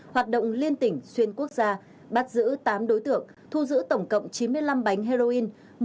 hoạt động liên tỉnh xuyên quốc gia bắt giữ tám đối tượng thu giữ tổng cộng chín mươi năm bánh heroin